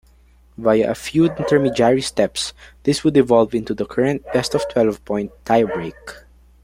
Via a few intermediary steps this would evolve into the current best-of-twelve-point tie-break.